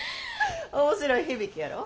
面白い響きやろ？